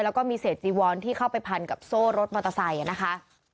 แล้วก็มีเศษจีวอนที่เข้าไปพันกับโซ่รถมอเตอร์ไซค์นะคะ